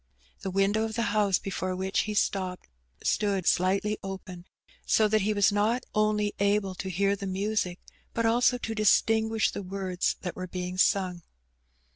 The window of the house before which he stopped stood slightly open, so that he was not only able to hear the music, but also to dis tinguish the words that were being sung.